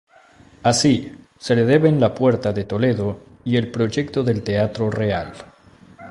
Así, se le deben la puerta de Toledo y el proyecto del Teatro Real.